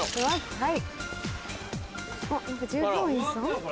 はい。